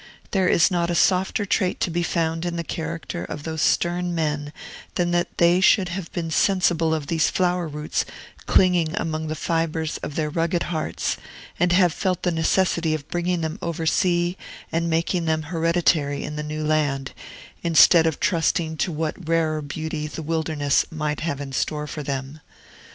There is not a softer trait to be found in the character of those stern men than that they should have been sensible of these flower roots clinging among the fibres of their rugged hearts, and have felt the necessity of bringing them over sea and making them hereditary in the new land, instead of trusting to what rarer beauty the wilderness might have in store for them.